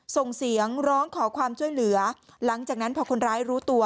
ส่งเสียงร้องขอความช่วยเหลือหลังจากนั้นพอคนร้ายรู้ตัว